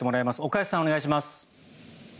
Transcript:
岡安さん、お願いします。